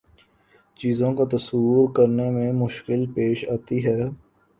چیزوں کا تصور کرنے میں مشکل پیش آتی ہے